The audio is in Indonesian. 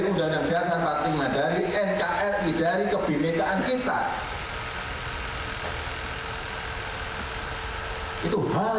sudah dinyatakan sebagai organisasi terlarang ada tak yang jelas sekali